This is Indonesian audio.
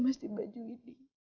masih bagi ini